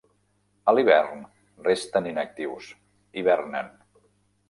A l'hivern resten inactius, hivernen.